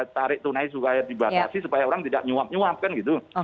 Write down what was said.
tarik tunai juga dibatasi supaya orang tidak nyuap nyuap kan gitu